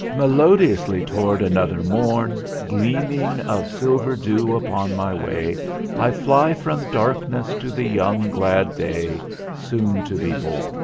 "Melodiously toward another morn, Gleaning of silver dew upon my way, I fly from darkness to the young glad day Soon to be born.